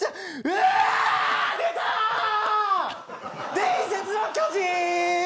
出た、伝説の巨人。